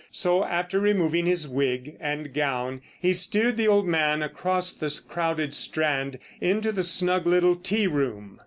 So, after removing his wig and gown, he steered the old man across the crowded Strand into the snug little tea room.